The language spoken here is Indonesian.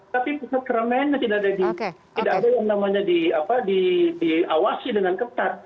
tapi pusat keramaiannya tidak ada yang namanya diawasi dengan ketat